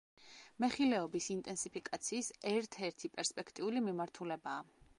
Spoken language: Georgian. მეხილეობის ინტენსიფიკაციის ერთ-ერთი პერსპექტიული მიმართულებაა.